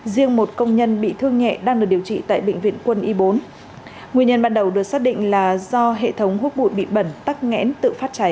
riêng một công nhân bị thương nhẹ đang được điều trị tại bệnh viện quân y bốn nguyên nhân ban đầu được xác định là do hệ thống hút bụi bị bẩn tắc nghẽn tự phát cháy